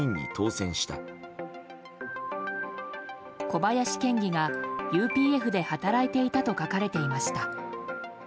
小林県議がＵＰＦで働いていたと書かれていました。